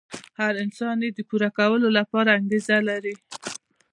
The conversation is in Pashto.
هر انسان يې د پوره کولو لپاره انګېزه لري.